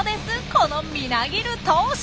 このみなぎる闘志。